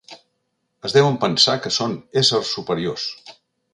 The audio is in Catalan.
Es deuen pensar que són éssers superiors.